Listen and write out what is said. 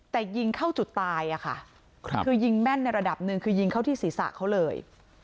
แต่ยิงเข้าจุดตายอะค่ะคือยิงแม่นในระดับหนึ่งคือยิงเข้าที่ศีรษะเขาเลย